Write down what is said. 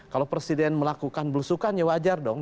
kalau presiden melakukan belusukan ya wajar dong